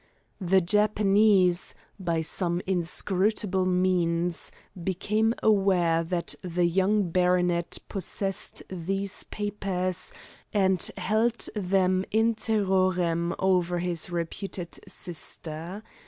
The Japanese, by some inscrutable means, became aware that the young baronet possessed these papers, and held them in terrorem over his reputed sister.